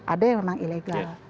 itu yang memang ilegal